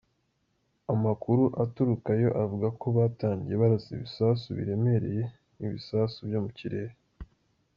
Amakuru aturukayo avuga ko batangiye barasa ibisasu biremereye n'ibisasu byo mu kirere.